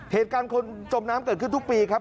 เหตุการณ์คนจมน้ำเกิดขึ้นทุกปีครับ